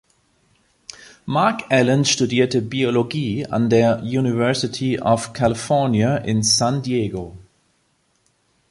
Mark Allen studierte Biologie an der University of California in San Diego.